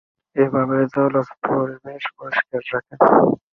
এভাবে জলজ পরিবেশ পরিষ্কার রাখে।